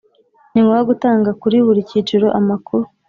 ni ngombwa gutanga kuri buri cyiciro amakuru